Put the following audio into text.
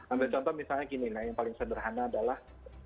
ambil contoh misalnya gini yang paling sederhana adalah